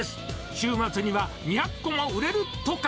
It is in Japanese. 週末には２００個も売れるとか。